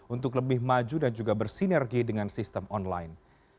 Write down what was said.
untuk lebih maju dan juga bersinergi dengan sistem online